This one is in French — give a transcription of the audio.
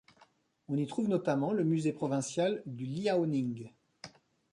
On y trouve notamment le musée provincial du Liaoning.